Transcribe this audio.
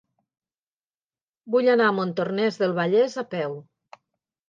Vull anar a Montornès del Vallès a peu.